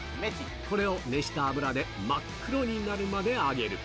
これを熱した油で真っ黒になるまで揚げる。